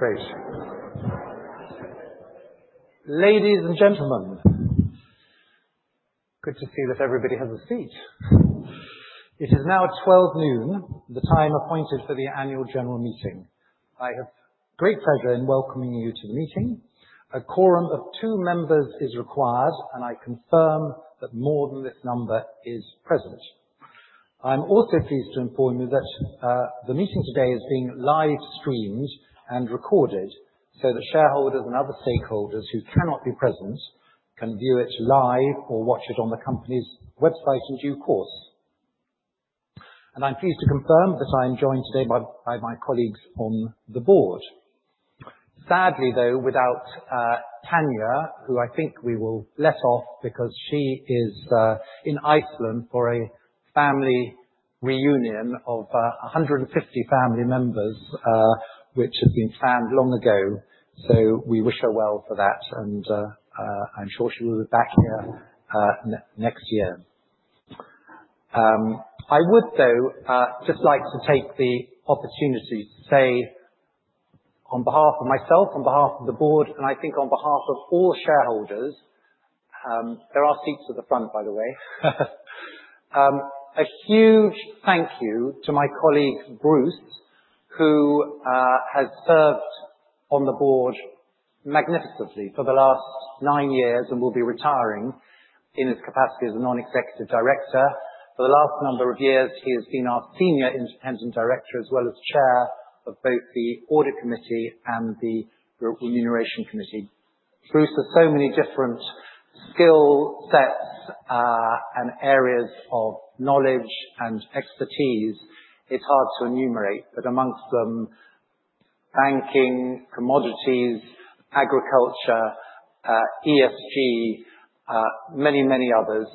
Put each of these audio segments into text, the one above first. Great. Ladies and gentlemen, good to see that everybody has a seat. It is now 12 noon, the time appointed for the annual general meeting. I have great pleasure in welcoming you to the meeting. A quorum of two members is required, and I confirm that more than this number is present. I'm also pleased to inform you that the meeting today is being live-streamed and recorded, so the shareholders and other stakeholders who cannot be present can view it live or watch it on the company's website in due course. I'm pleased to confirm that I am joined today by my colleagues on the board. Sadly, though, without Tania, who I think we will let off, because she is in Iceland for a family reunion of 150 family members, which had been planned long ago. So we wish her well for that, and I'm sure she will be back here next year. I would, though, just like to take the opportunity to say on behalf of myself, on behalf of the board, and I think on behalf of all shareholders, there are seats at the front, by the way. A huge thank you to my colleague, Bruce, who has served on the board magnificently for the last nine years and will be retiring in his capacity as a non-executive director. For the last number of years, he has been our senior independent director, as well as chair of both the Audit Committee and the Remuneration Committee. Bruce has so many different skill sets and areas of knowledge and expertise. It's hard to enumerate, but amongst them, banking, commodities, agriculture, ESG, many, many others.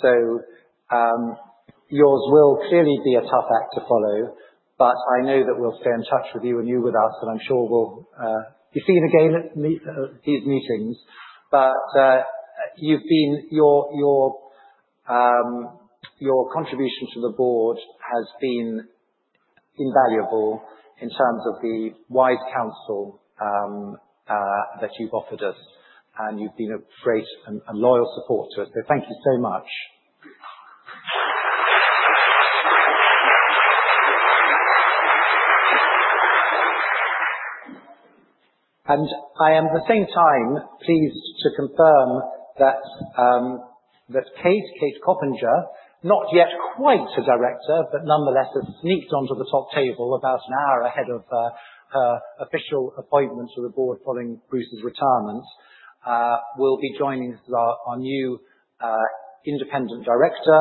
So, yours will clearly be a tough act to follow, but I know that we'll stay in touch with you and you with us, and I'm sure we'll be seeing you again at these meetings. But you've been... Your contribution to the board has been invaluable in terms of the wise counsel that you've offered us, and you've been a great and loyal support to us. So thank you so much. And I am, at the same time, pleased to confirm that Kate Coppinger, not yet quite a director, but nonetheless, has sneaked onto the top table about an hour ahead of her official appointment to the board following Bruce's retirement, will be joining as our new independent director.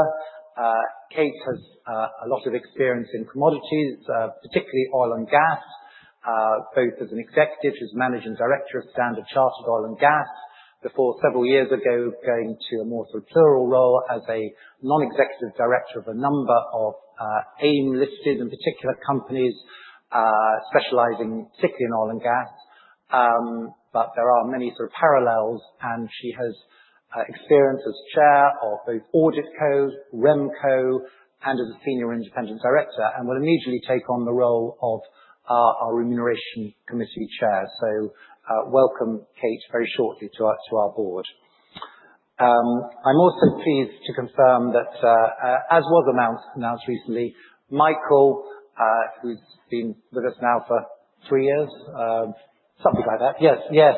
Kate has a lot of experience in commodities, particularly oil and gas, both as an executive. She's Managing Director of Standard Chartered Oil and Gas, before several years ago, going to a more sectoral role as a non-executive director of a number of AIM-listed, in particular, companies, specializing particularly in oil and gas. But there are many sort of parallels, and she has experience as chair of both AuditCo, RemCo, and as a senior independent director, and will immediately take on the role of our Remuneration Committee chair. So, welcome, Kate, very shortly to our, to our board. I'm also pleased to confirm that, as was announced recently, Michael, who's been with us now for three years, something like that. Yes, yes.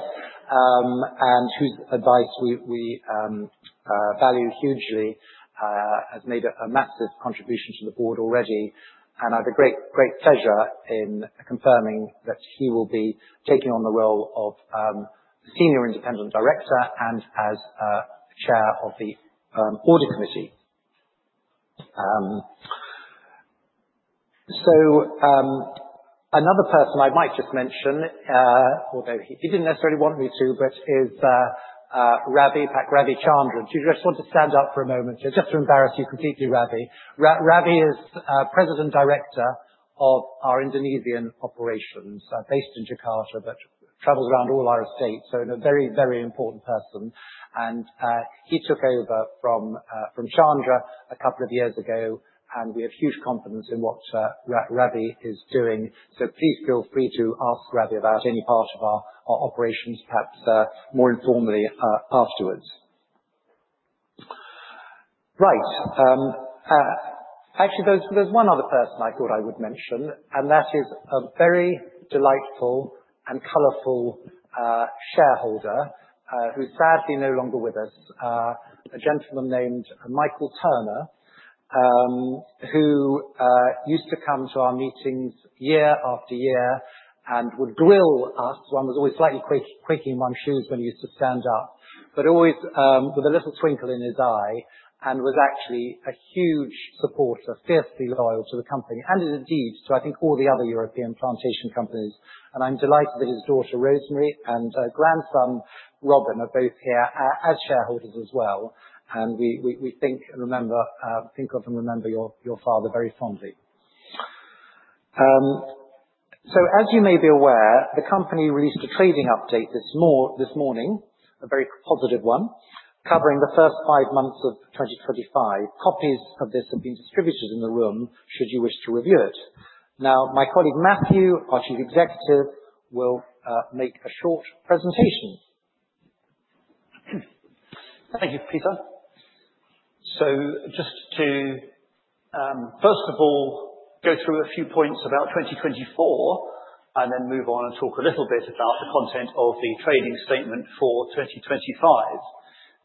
And whose advice we value hugely has made a massive contribution to the board already, and I have a great pleasure in confirming that he will be taking on the role of Senior Independent Director and as Chair of the Audit Committee. So, another person I might just mention, although he didn't necessarily want me to, but is Ravi Chandran. Do you just want to stand up for a moment, just to embarrass you completely, Ravi? Ravi is President Director of our Indonesian operations, based in Jakarta, but travels around all our estates, so a very important person. And he took over from Chandra a couple of years ago, and we have huge confidence in what Ravi is doing. So please feel free to ask Ravi about any part of our operations, perhaps more informally afterwards. Right. Actually, there's one other person I thought I would mention, and that is a very delightful and colorful shareholder who's sadly no longer with us. A gentleman named Michael Turner, who used to come to our meetings year after year and would grill us. One was always slightly quaking in one's shoes when he used to stand up, but always with a little twinkle in his eye, and was actually a huge supporter, fiercely loyal to the company and indeed to, I think, all the other European plantation companies. I'm delighted that his daughter, Rosemary, and grandson, Robin, are both here as shareholders as well. We think of and remember your father very fondly. So as you may be aware, the company released a trading update this morning, a very positive one, covering the first five months of 2025. Copies of this have been distributed in the room, should you wish to review it. Now, my colleague, Matthew, our Chief Executive, will make a short presentation. Thank you, Peter. So just to first of all, go through a few points about 2024, and then move on and talk a little bit about the content of the trading statement for 2025.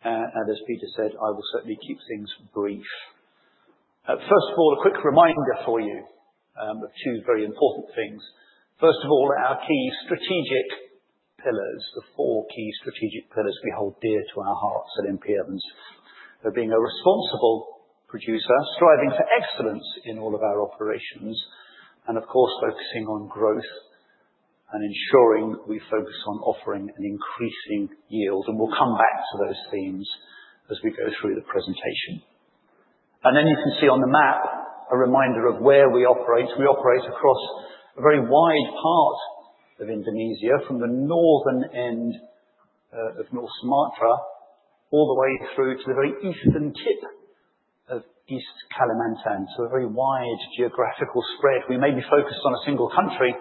And as Peter said, I will certainly keep things brief. First of all, a quick reminder for you of two very important things. First of all, our key strategic pillars, the four key strategic pillars we hold dear to our hearts at M.P. Evans, are being a responsible producer, striving for excellence in all of our operations, and of course, focusing on growth and ensuring we focus on offering an increasing yield. And we'll come back to those themes as we go through the presentation. And then, you can see on the map, a reminder of where we operate. We operate across a very wide part of Indonesia, from the northern end of North Sumatra, all the way through to the very eastern tip of East Kalimantan. So a very wide geographical spread. We may be focused on a single country,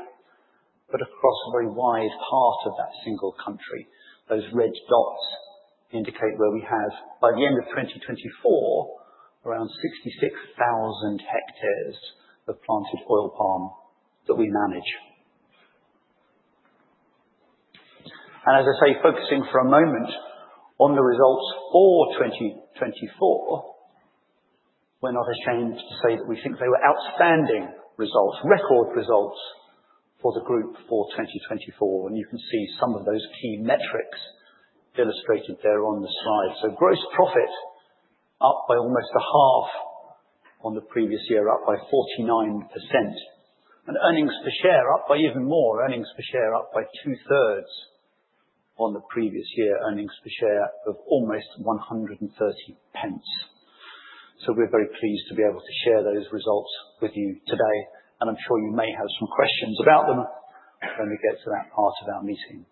but across a very wide part of that single country. Those red dots indicate where we have, by the end of 2024, around 66,000 hectares of planted oil palm that we manage. And as I say, focusing for a moment on the results for 2024, we're not ashamed to say that we think they were outstanding results, record results for the group for 2024. And you can see some of those key metrics illustrated there on the slide. So gross profit, up by almost a half on the previous year, up by 49%, and earnings per share up by even more. Earnings per share, up by two-thirds on the previous year. Earnings per share of almost 1.30. So we're very pleased to be able to share those results with you today, and I'm sure you may have some questions about them when we get to that part of our meeting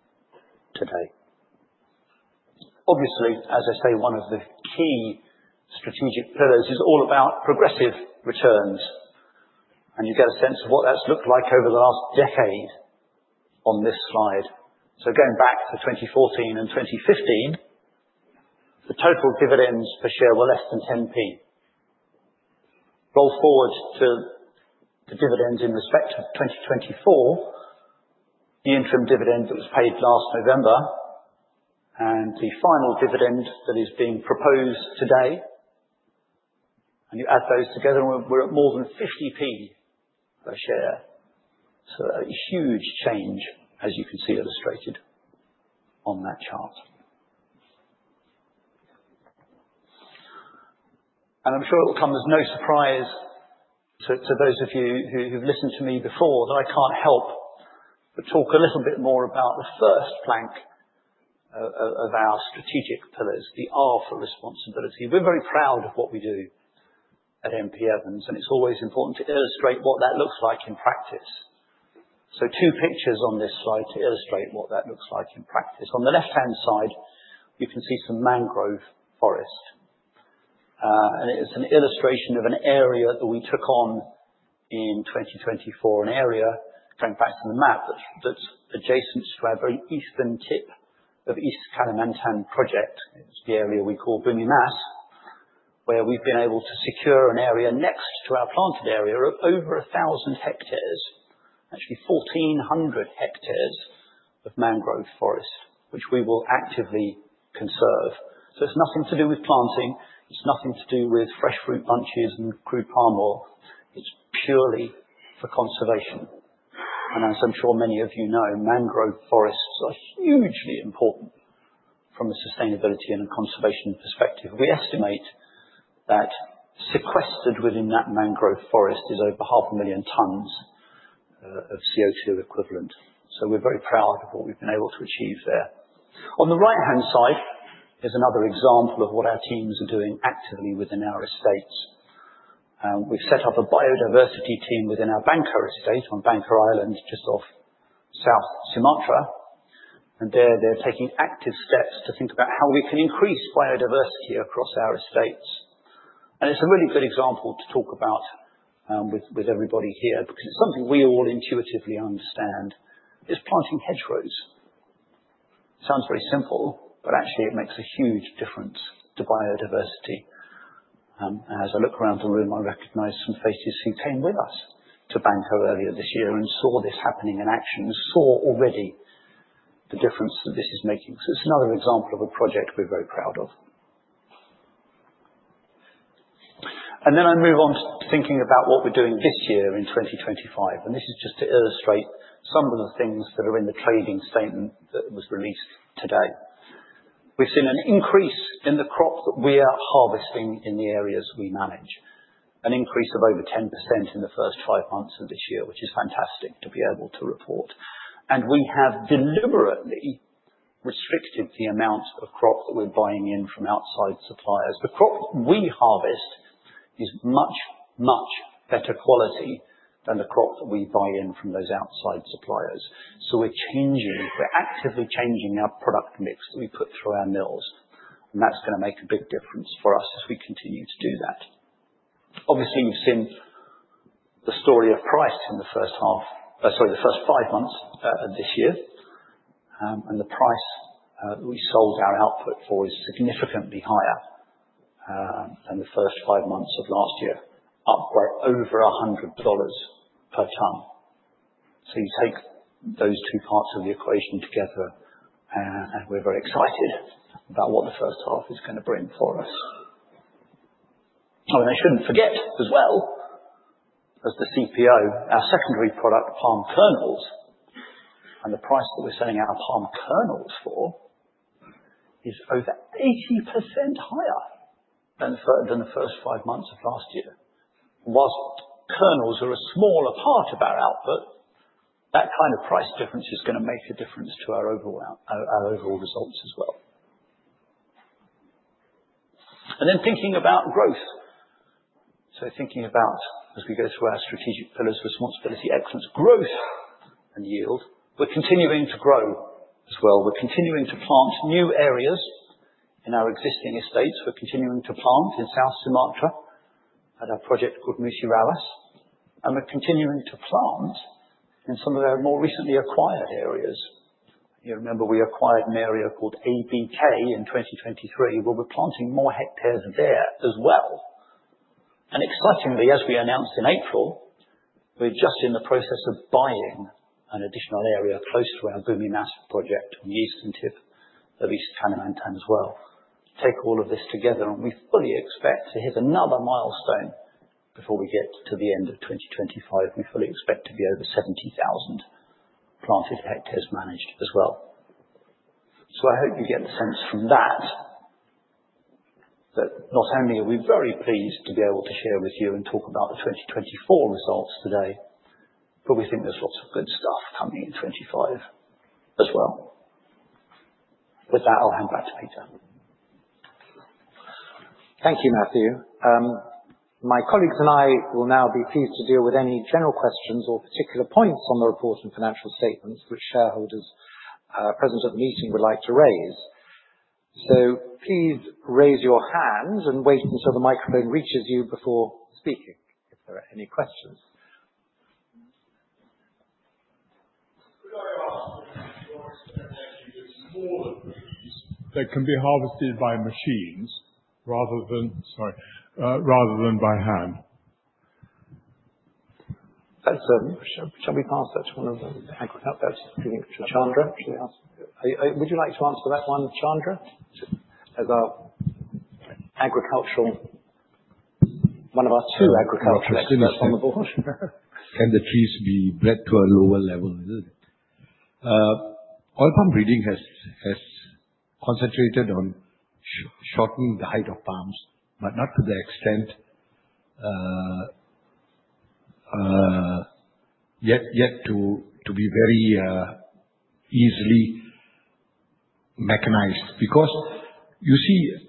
today. Obviously, as I say, one of the key strategic pillars is all about progressive returns, and you get a sense of what that's looked like over the last decade on this slide. So going back to 2014 and 2015, the total dividends per share were less than 0.10. Roll forward to the dividends in respect of 2024, the interim dividend that was paid last November, and the final dividend that is being proposed today, and you add those together, and we're at more than 0.50 per share. So a huge change, as you can see illustrated on that chart. I'm sure it will come as no surprise to those of you who've listened to me before, that I can't help but talk a little bit more about the first plank of our strategic pillars, the R for responsibility. We're very proud of what we do at M.P. Evans, and it's always important to illustrate what that looks like in practice. Two pictures on this slide to illustrate what that looks like in practice. On the left-hand side, you can see some mangrove forest. And it is an illustration of an area that we took on in 2024, an area, going back to the map, that's adjacent to our very eastern tip of East Kalimantan project. It's the area we call Bumi Mas, where we've been able to secure an area next to our planted area of over 1,000 hectares, actually 1,400 hectares of mangrove forest, which we will actively conserve. So it's nothing to do with planting, it's nothing to do with fresh fruit bunches and crude palm oil. It's purely for conservation. And as I'm sure many of you know, mangrove forests are hugely important from a sustainability and conservation perspective. We estimate that sequestered within that mangrove forest is over 500,000 tons of CO2 equivalent. So we're very proud of what we've been able to achieve there. On the right-hand side is another example of what our teams are doing actively within our estates. We've set up a biodiversity team within our Bangka estate on Bangka Island, just off South Sumatra. And there, they're taking active steps to think about how we can increase biodiversity across our estates. And it's a really good example to talk about, with, with everybody here, because it's something we all intuitively understand, is planting hedgerows. Sounds very simple, but actually it makes a huge difference to biodiversity. As I look around the room, I recognize some faces who came with us to Bangka earlier this year and saw this happening in action, and saw already the difference that this is making. So it's another example of a project we're very proud of. And then I move on to thinking about what we're doing this year in 2025, and this is just to illustrate some of the things that are in the trading statement that was released today. We've seen an increase in the crop that we are harvesting in the areas we manage. An increase of over 10% in the first five months of this year, which is fantastic to be able to report. We have deliberately restricted the amount of crop that we're buying in from outside suppliers. The crop we harvest is much, much better quality than the crop that we buy in from those outside suppliers. We're changing, we're actively changing our product mix that we put through our mills, and that's gonna make a big difference for us as we continue to do that. Obviously, you've seen the story of price in the first half, the first five months, of this year. And the price that we sold our output for is significantly higher than the first five months of last year, up by over $100 per ton. So you take those two parts of the equation together, and we're very excited about what the first half is gonna bring for us. Oh, and I shouldn't forget, as well as the CPO, our secondary product, palm kernels, and the price that we're selling our palm kernels for is over 80% higher than the first five months of last year. While kernels are a smaller part of our output, that kind of price difference is gonna make a difference to our overall results as well. And then thinking about growth. So thinking about as we go through our strategic pillars: responsibility, excellence, growth, and yield. We're continuing to grow as well. We're continuing to plant new areas in our existing estates. We're continuing to plant in South Sumatra, at a project called Musi Rawas, and we're continuing to plant in some of our more recently acquired areas. You remember we acquired an area called ABK in 2023, where we're planting more hectares there as well. And excitingly, as we announced in April, we're just in the process of buying an additional area close to our Bumi Mas project on the eastern tip of East Kalimantan as well. Take all of this together, and we fully expect to hit another milestone before we get to the end of 2025. We fully expect to be over 70,000 planted hectares managed as well. I hope you get the sense from that, that not only are we very pleased to be able to share with you and talk about the 2024 results today, but we think there's lots of good stuff coming in 2025 as well. With that, I'll hand back to Peter. Thank you, Matthew. My colleagues and I will now be pleased to deal with any general questions or particular points on the report and financial statements, which shareholders, present at the meeting would like to raise. Please raise your hands and wait until the microphone reaches you before speaking, if there are any questions. Could I ask that can be harvested by machines rather than... Sorry, rather than by hand? That's. Shall we pass that to one of the agri-, that's Chandra, should we ask? Would you like to answer that one, Chandra? As our agricultural, one of our two agriculturalists on the board. Can the trees be bred to a lower level? Oil palm breeding has concentrated on shortening the height of palms, but not to the extent yet to be very easily mechanized. Because, you see,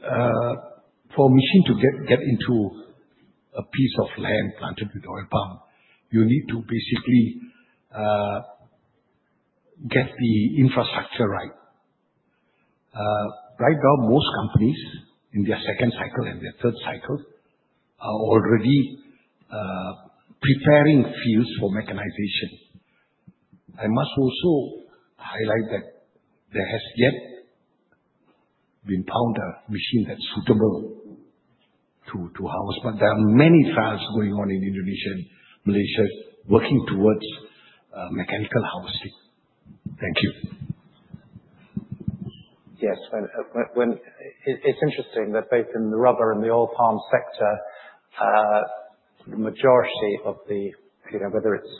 for a machine to get into a piece of land planted with oil palm, you need to basically get the infrastructure right. Right now, most companies in their second cycle and their third cycle are already preparing fields for mechanization. I must also highlight that there has yet been found a machine that's suitable to harvest, but there are many trials going on in Indonesia and Malaysia, working towards mechanical harvesting. Thank you. Yes, it's interesting that both in the rubber and the oil palm sector, majority of the, you know, whether it's,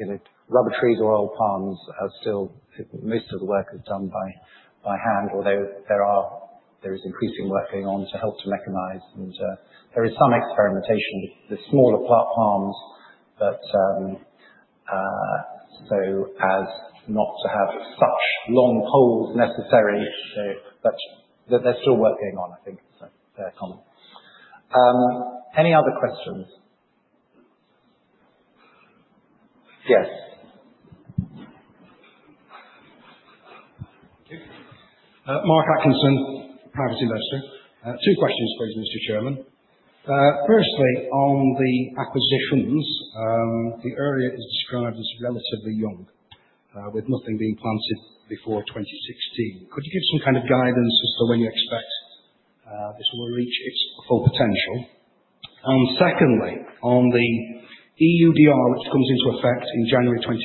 you know, rubber trees or oil palms, are still, most of the work is done by hand. Although there is increasing work going on to help to mechanize, and there is some experimentation with smaller palms that so as not to have such long poles necessary. So, but they're still working on, I think, so they're coming. Any other questions? Yes. Thank you. Mark Atkinson, private investor. Two questions, please, Mr. Chairman. Firstly, on the acquisitions, the area is described as relatively young, with nothing being planted before 2016. Could you give some kind of guidance as to when you expect this will reach its full potential? And secondly, on the EUDR, which comes into effect in January 2026,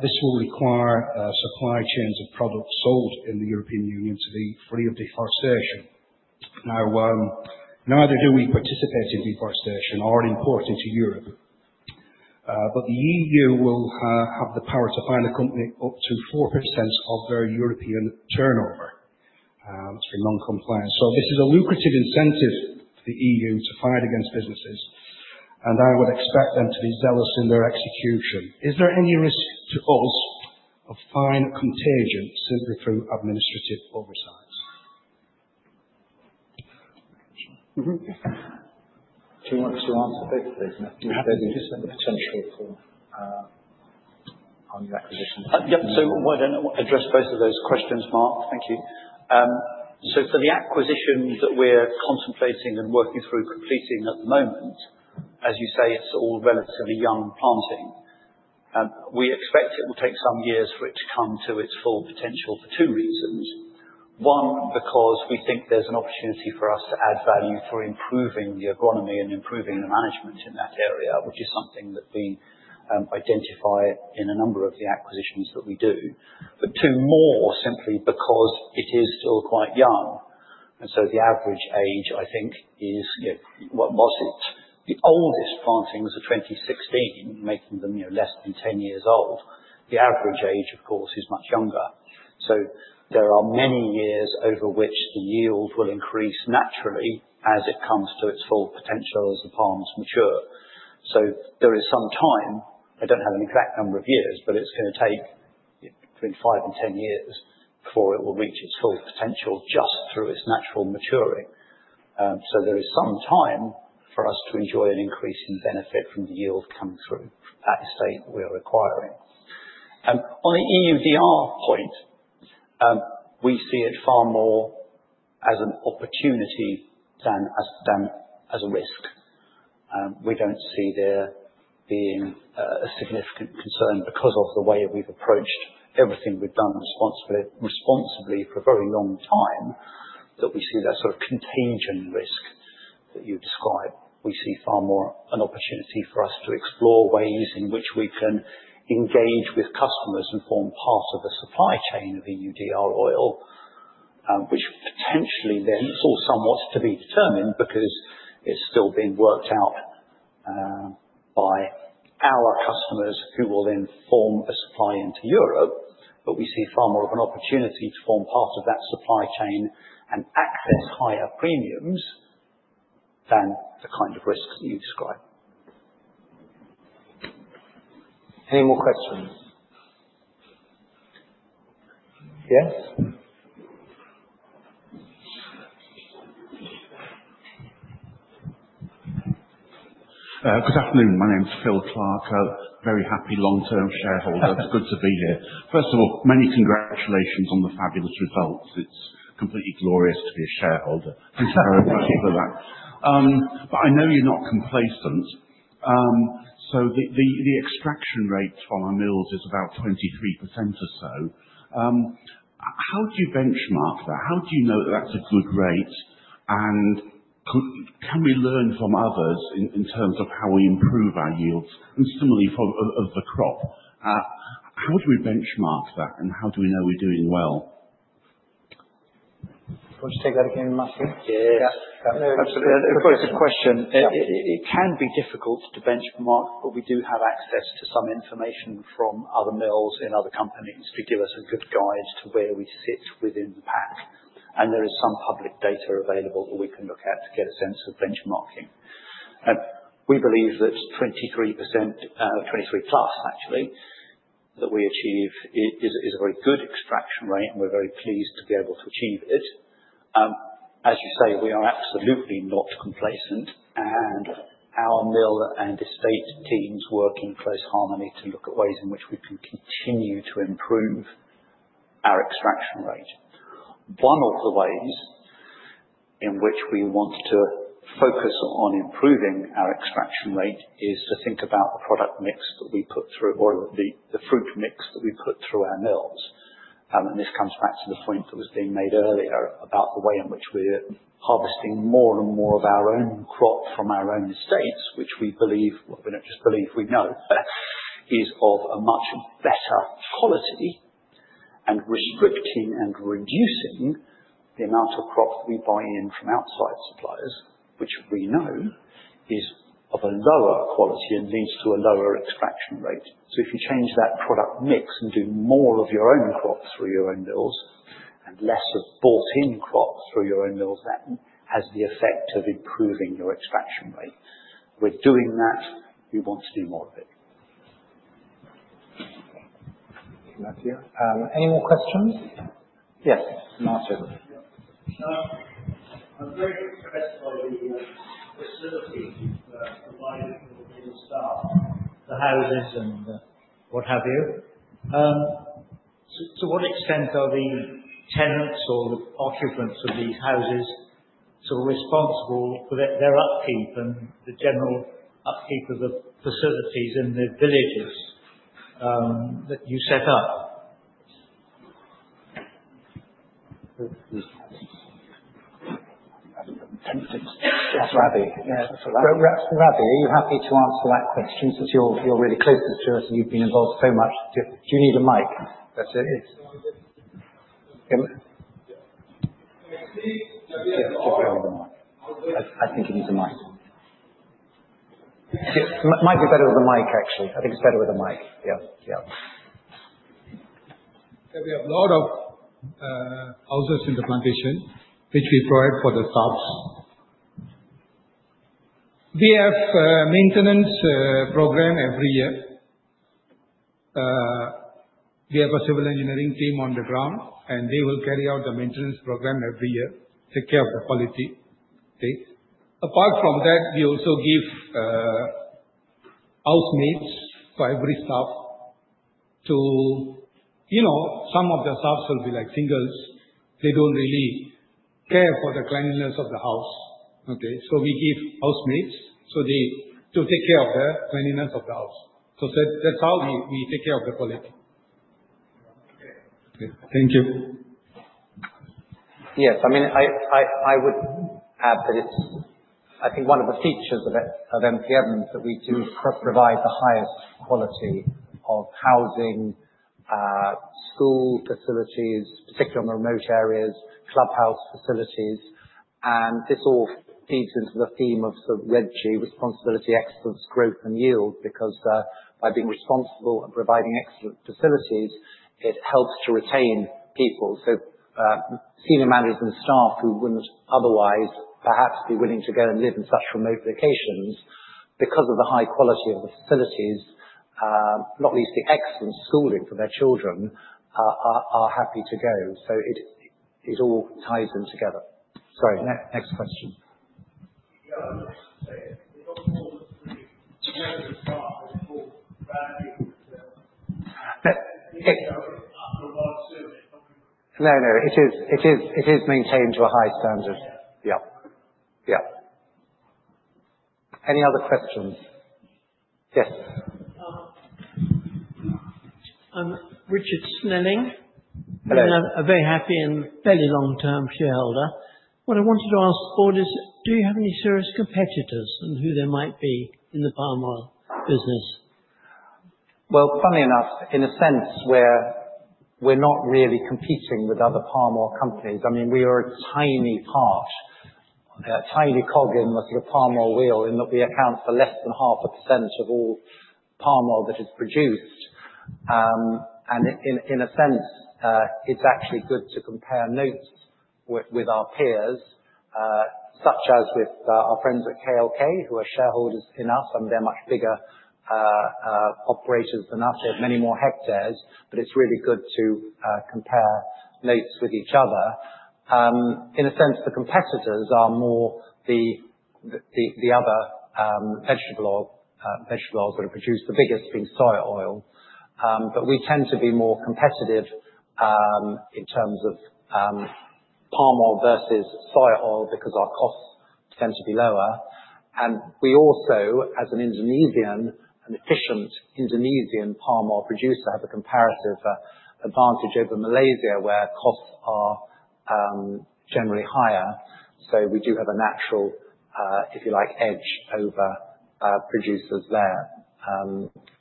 this will require supply chains of products sold in the European Union to be free of deforestation. Now, neither do we participate in deforestation or import into Europe, but the EU will have the power to fine a company up to 4% of their European turnover for non-compliance. So this is a lucrative incentive for the EU to fight against businesses, and I would expect them to be zealous in their execution. Is there any risk to us?... of fine contagion simply through administrative oversights? Mm-hmm. Do you want me to answer that? There's just a potential for on the acquisition. Yep, so why don't address both of those questions, Mark? Thank you. So for the acquisitions that we're contemplating and working through completing at the moment, as you say, it's all relatively young planting. We expect it will take some years for it to come to its full potential for two reasons. One, because we think there's an opportunity for us to add value for improving the agronomy and improving the management in that area, which is something that we identify in a number of the acquisitions that we do. But two, more simply because it is still quite young, and so the average age, I think, is, what was it? The oldest planting was of 2016, making them, you know, less than 10 years old. The average age, of course, is much younger. So there are many years over which the yield will increase naturally as it comes to its full potential as the palms mature. So there is some time, I don't have an exact number of years, but it's gonna take between five and 10 years before it will reach its full potential, just through its natural maturing. So there is some time for us to enjoy an increase in benefit from the yield coming through from that estate we are acquiring. On the EUDR point, we see it far more as an opportunity than as a risk. We don't see there being a significant concern because of the way we've approached everything we've done responsibly for a very long time, that we see that sort of contagion risk that you describe. We see far more an opportunity for us to explore ways in which we can engage with customers and form part of the supply chain of EUDR oil, which potentially then, it's all somewhat to be determined because it's still being worked out by our customers who will then form a supply into Europe. But we see far more of an opportunity to form part of that supply chain and access higher premiums than the kind of risks that you describe. Any more questions? Yes. Good afternoon. My name is Phil Clark, a very happy long-term shareholder. It's good to be here. First of all, many congratulations on the fabulous results. It's completely glorious to be a shareholder. I know you're not complacent. The extraction rates from our mills is about 23% or so. How do you benchmark that? How do you know that's a good rate, and can we learn from others in terms of how we improve our yields and similarly for the crop? How do we benchmark that, and how do we know we're doing well? Would you say that again, Matthew? Yes. Absolutely. A very good question. It can be difficult to benchmark, but we do have access to some information from other mills in other companies to give us a good guide to where we sit within the pack. There is some public data available that we can look at to get a sense of benchmarking. We believe that 23%, 23+, actually, that we achieve is a very good extraction rate, and we're very pleased to be able to achieve it. As you say, we are absolutely not complacent, and our mill and estate teams work in close harmony to look at ways in which we can continue to improve our extraction rate. One of the ways in which we want to focus on improving our extraction rate is to think about the product mix that we put through or the fruit mix that we put through our mills. And this comes back to the point that was being made earlier about the way in which we're harvesting more and more of our own crop from our own estates, which we believe, well, we don't just believe, we know, is of a much better quality, and restricting and reducing the amount of crop we buy in from outside suppliers, which we know is of a lower quality and leads to a lower extraction rate. So if you change that product mix and do more of your own crop through your own mills and less of bought in crops through your own mills, that has the effect of improving your extraction rate. We're doing that. We want to do more of it. Thank you. Any more questions? Yes, Matthew. I'm very impressed by the facilities you've provided for the new staff, the houses, and what have you. To what extent are the tenants or the occupants of these houses sort of responsible for their upkeep and the general upkeep of the facilities in the villages that you set up? That's Ravi. Yeah. Ravi, are you happy to answer that question since you're really close to it and you've been involved so much? Do you need a mic? That's it. I think he needs a mic. It might be better with a mic, actually. I think it's better with a mic. Yeah, yeah. We have a lot of houses in the plantation, which we provide for the staff. We have a maintenance program every year. We have a civil engineering team on the ground, and they will carry out the maintenance program every year, take care of the quality. Okay? Apart from that, we also give housemaids to every staff to, you know, some of the staff will be, like, singles. They don't really care for the cleanliness of the house, okay? So we give housemaids, so they, to take care of the cleanliness of the house. So that, that's how we, we take care of the quality. Okay. Thank you. Yes. I mean, I would add that it's, I think, one of the features of M.P. Evans, is that we do provide the highest quality of housing, school facilities, particularly in remote areas, clubhouse facilities, and this all feeds into the theme of the REGY: responsibility, excellence, growth, and yield. Because, by being responsible and providing excellent facilities, it helps to retain people. So, senior managers and staff who wouldn't otherwise perhaps be willing to go and live in such remote locations, because of the high quality of the facilities, not least the excellent schooling for their children, are happy to go. So it all ties in together. Sorry, next question. Yeah, I was just saying, we've got 43 staff, and 4 bad people. No, it is maintained to a high standard. Yeah. Yeah. Yeah. Any other questions? Yes. I'm Richard Snelling. Hello. I'm a very happy and fairly long-term shareholder. What I wanted to ask for is, do you have any serious competitors, and who they might be, in the palm oil business? Well, funny enough, in a sense, we're not really competing with other palm oil companies. I mean, we are a tiny part, a tiny cog in the palm oil wheel, in that we account for less than 0.5% of all palm oil that is produced. And in a sense, it's actually good to compare notes with our peers, such as with our friends at KLK, who are shareholders in us, and they're much bigger operators than us. They have many more hectares, but it's really good to compare notes with each other. In a sense, the competitors are more the other vegetable oil, vegetable oils that are produced, the biggest being soya oil. But we tend to be more competitive in terms of palm oil versus soy oil, because our costs tend to be lower. And we also, as an Indonesian, an efficient Indonesian palm oil producer, have a comparative advantage over Malaysia, where costs are generally higher. So we do have a natural, if you like, edge over producers there.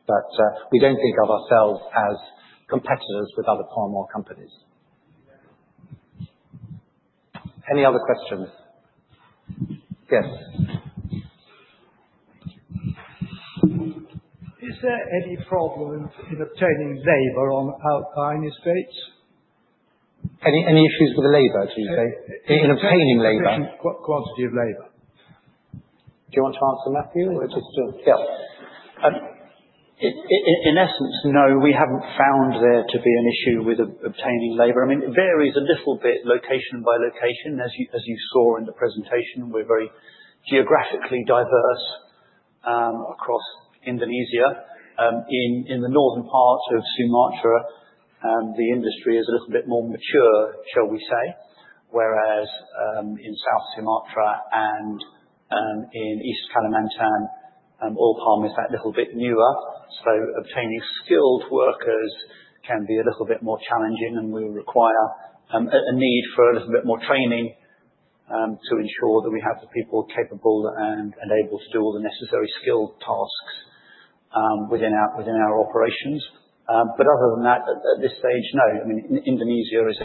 But we don't think of ourselves as competitors with other palm oil companies. Any other questions? Yes. Is there any problem in obtaining labor on outlying estates? Any issues with the labor, do you say? In obtaining labor. Quality of labor. Do you want to answer, Matthew, or just...? Yeah. In essence, no, we haven't found there to be an issue with obtaining labor. I mean, it varies a little bit, location by location. As you saw in the presentation, we're very geographically diverse across Indonesia. In the northern parts of Sumatra, the industry is a little bit more mature, shall we say, whereas in South Sumatra and in East Kalimantan, oil palm is that little bit newer. So obtaining skilled workers can be a little bit more challenging and will require a need for a little bit more training to ensure that we have the people capable and enabled to do all the necessary skilled tasks within our operations. But other than that, at this stage, no. I mean, Indonesia is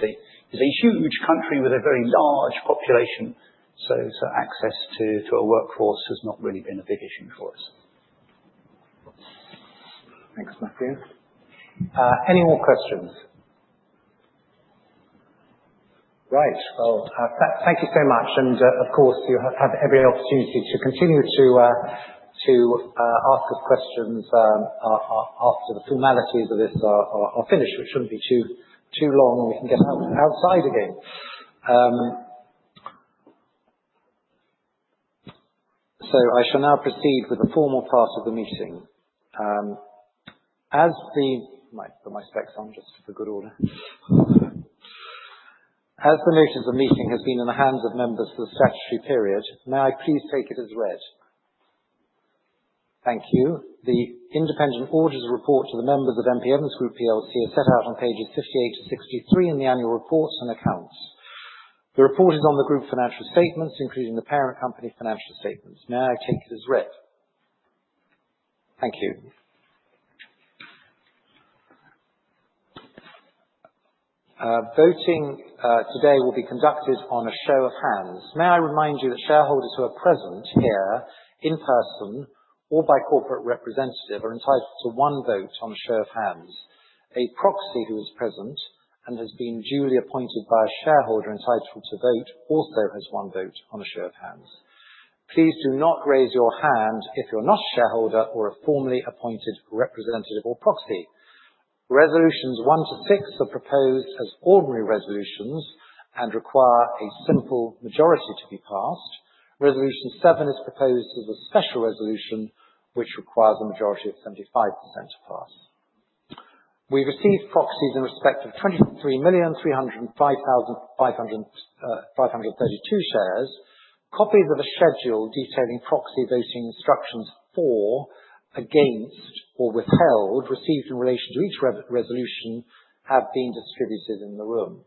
a huge country with a very large population, so access to a workforce has not really been a big issue for us. Thanks, Matthew. Any more questions? Right. Well, thank you so much, and, of course, you have every opportunity to continue to ask us questions after the formalities of this are finished, which shouldn't be too long, and we can get outside again. So I shall now proceed with the formal part of the meeting. As the... I might put my specs on, just for good order. As the notice of the meeting has been in the hands of members for the statutory period, may I please take it as read? Thank you. The independent auditor's report to the members of M.P. Evans Group PLC is set out on pages 58 to 63 in the annual reports and accounts. The report is on the group financial statements, including the parent company financial statements. May I take it as read? Thank you. Voting today will be conducted on a show of hands. May I remind you that shareholders who are present here, in person or by corporate representative, are entitled to one vote on a show of hands. A proxy who is present and has been duly appointed by a shareholder entitled to vote, also has one vote on a show of hands. Please do not raise your hand if you're not a shareholder or a formally appointed representative or proxy. Resolutions 1 to 6 are proposed as ordinary resolutions and require a simple majority to be passed. Resolution 7 is proposed as a special resolution, which requires a majority of 75% to pass. We received proxies in respect of 23,305,532 shares. Copies of a schedule detailing proxy voting instructions for, against, or withheld, received in relation to each resolution, have been distributed in the room.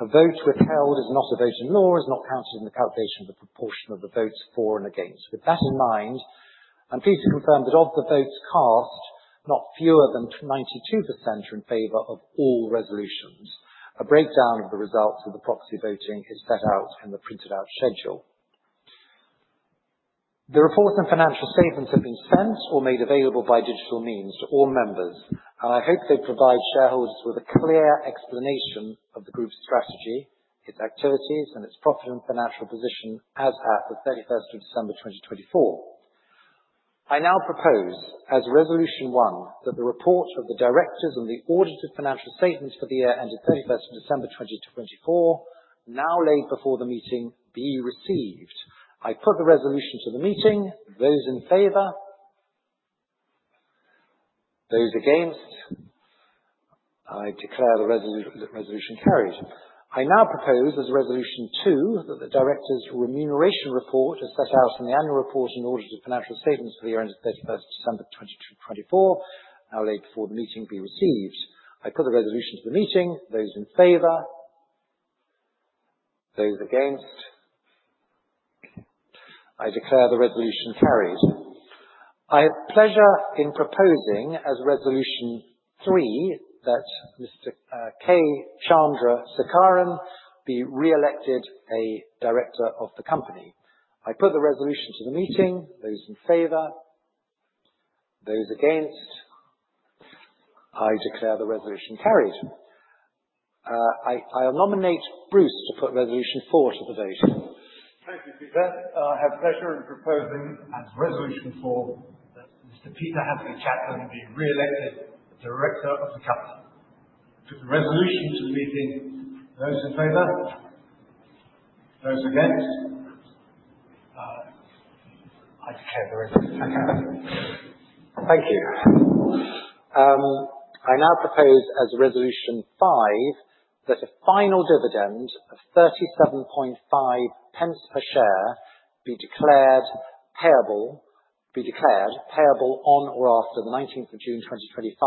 A vote withheld is not a vote and nor is it not counted in the calculation of the proportion of the votes for and against. With that in mind, I'm pleased to confirm that of the votes cast, not fewer than 92% are in favor of all resolutions. A breakdown of the results of the proxy voting is set out in the printed out schedule. The reports and financial statements have been sent or made available by digital means to all members, and I hope they provide shareholders with a clear explanation of the group's strategy, its activities, and its profit and financial position as at the thirty-first of December 2024. I now propose, as Resolution 1, that the reports of the directors and the audited financial statements for the year ended thirty-first of December 2024, now laid before the meeting, be received. I put the resolution to the meeting. Those in favor? Those against? I declare the resolution carried. I now propose, as Resolution 2, that the directors' remuneration report, as set out in the annual report and audited financial statements for the year ended thirty-first of December 2024, now laid before the meeting, be received. I put the resolution to the meeting. Those in favor? Those against? I declare the resolution carries. I have pleasure in proposing, as Resolution 3, that Mr. K. Chandra Sekaran be re-elected a director of the company. I put the resolution to the meeting. Those in favor? Those against? I declare the resolution carried. I nominate Bruce to put Resolution 4 to the vote. Thank you, Peter. I have pleasure in proposing, as Resolution four, that Mr. Peter Handley-Chapman be re-elected director of the company. I put the resolution to the meeting. Those in favor? Those against? I declare the resolution carried. Thank you. I now propose, as Resolution 5, that a final dividend of 0.375 per share, be declared payable, be declared payable on or after the 19th of June 2025,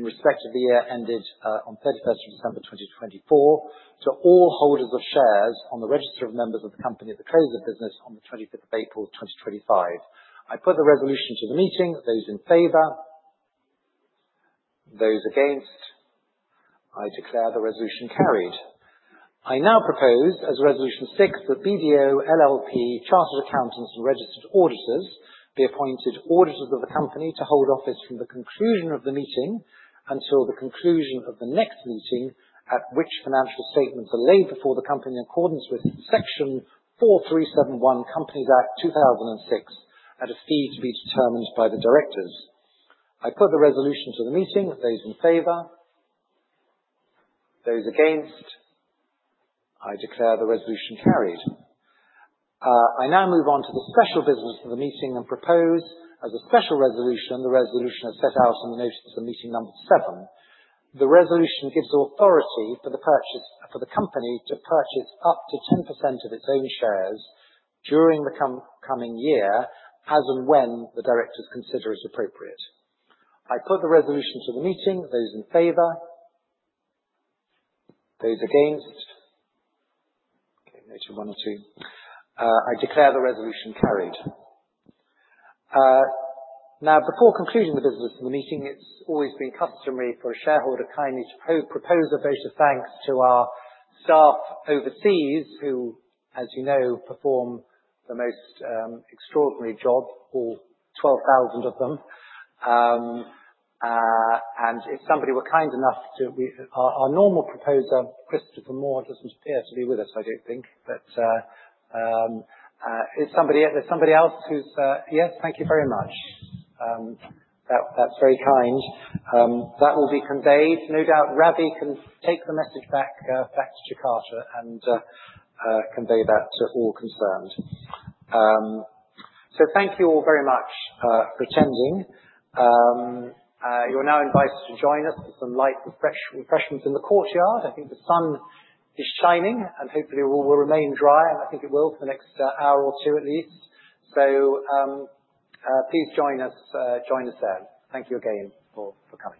in respect of the year ended, on 31st of December 2024, to all holders of shares on the register of members of the company at the close of business on the 25th of April 2025. I put the resolution to the meeting. Those in favor? Those against? I declare the resolution carried. I now propose, as Resolution 6, that BDO LLP, chartered accountants and registered auditors, be appointed auditors of the company to hold office from the conclusion of the meeting until the conclusion of the next meeting, at which financial statements are laid before the company in accordance with Section 4371, Companies Act 2006, at a fee to be determined by the directors. I put the resolution to the meeting. Those in favor? Those against? I declare the resolution carried. I now move on to the special business of the meeting and propose as a special resolution, the resolution as set out in the notice of meeting number 7. The resolution gives the authority for the company to purchase up to 10% of its own shares during the coming year, as and when the directors consider it appropriate. I put the resolution to the meeting. Those in favor? Those against? Okay, maybe one or two. I declare the resolution carried. Now, before concluding the business of the meeting, it's always been customary for a shareholder kindly to propose a vote of thanks to our staff overseas, who, as you know, perform the most extraordinary job, all 12,000 of them. And if somebody were kind enough to be... Our normal proposer, Christopher Moore, doesn't appear to be with us, I don't think. But is there somebody else who's... Yes, thank you very much. That, that's very kind. That will be conveyed. No doubt, Ravi can take the message back back to Jakarta, and convey that to all concerned. So thank you all very much for attending. You are now invited to join us for some light refreshments in the courtyard. I think the sun is shining, and hopefully we will remain dry, and I think it will for the next hour or two at least. Please join us there. Thank you again for coming.